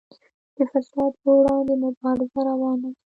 د فساد پر وړاندې مبارزه روانه ده